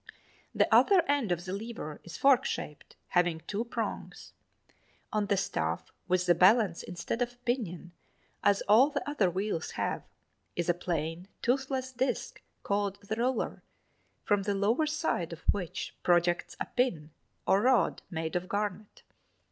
The other end of the lever is fork shaped, having two prongs. On the staff with the balance instead of a pinion as all the other wheels have, is a plain, toothless disc called the roller, from the lower side of which projects a pin or rod made of garnet.